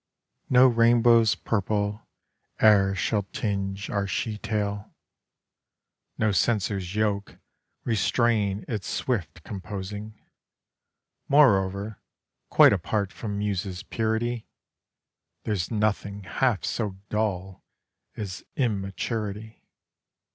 No rainbow's purple e'er shall tinge our she tale, No censor's yoke restrain its swift composing. Moreover quite apart from Muse's purity There's nothing half so dull as immaturity.